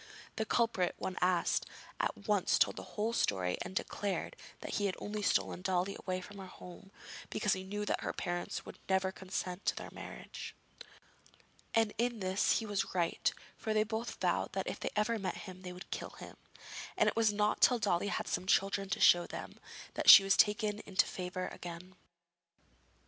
The culprit, when asked, at once told the whole story and declared that he had only stolen Dolly away from her home because he knew that her parents would never consent to their marriage. And in this he was right, for they both vowed that if they ever met him they would kill him; and it was not till Dolly had some children to show them, that she was taken into favour again.